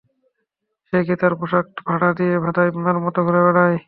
সে কি তার পোষাক ভাড়া দিয়ে ভাদাইম্মার মত ঘুরে বেড়ায়?